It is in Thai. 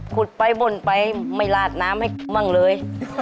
ขุดไปบนไปไม่ราดน้ำให้ขึ้นหรือมั่งเลย